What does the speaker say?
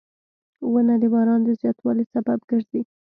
• ونه د باران د زیاتوالي سبب ګرځي.